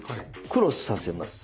クロスさせます。